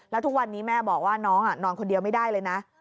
แล้วทุกวันนี้แม่บอกว่าน้องนอนคนเดียวไม่ได้เลยนะ